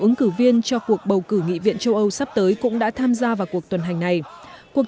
ứng cử viên cho cuộc bầu cử nghị viện châu âu sắp tới cũng đã tham gia vào cuộc tuần hành này cuộc